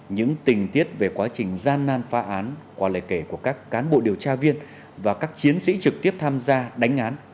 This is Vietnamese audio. những tình tiết về quá trình gian nan phá án qua lời kể của các cán bộ điều tra viên và các chiến sĩ trực tiếp tham gia đánh án